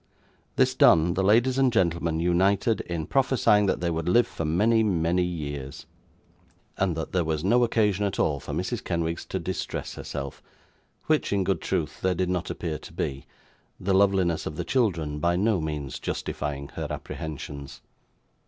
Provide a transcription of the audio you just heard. This done, the ladies and gentlemen united in prophesying that they would live for many, many years, and that there was no occasion at all for Mrs. Kenwigs to distress herself; which, in good truth, there did not appear to be; the loveliness of the children by no means justifying her apprehensions.